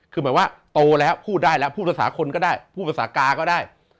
คือหมายว่าโตแล้วพูดได้แล้วพูดภาษาคนก็ได้พูดภาษากาก็ได้